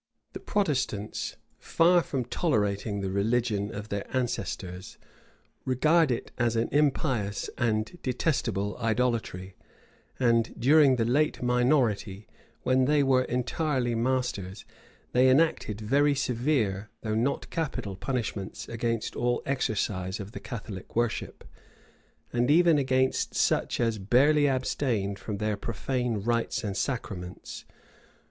The Protestants, far from tolerating the religion of their ancestors, regard it as an impious and detestable idolatry; and during the late minority, when they were entirely masters, they enacted very severe, though not capital, punishments against all exercise of the Catholic worship, and even against such as barely abstained from their profane rites and sacraments.